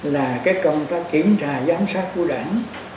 là cái công tác kiểm tra giám sát của đảng